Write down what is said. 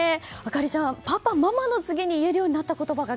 朱莉ちゃん、パパ、ママの次に言えるようになった言葉が